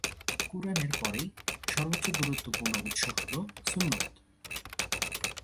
কুরআনের পরেই সবচেয়ে গুরুত্বপূর্ণ উৎস হলো সুন্নত।